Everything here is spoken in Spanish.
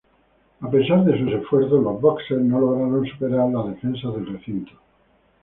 A pesar de sus esfuerzos, los bóxers no lograron superar las defensas del recinto.